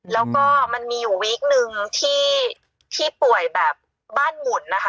แล้วก็มันมีอยู่วีคนึงที่ป่วยแบบบ้านหมุนนะคะ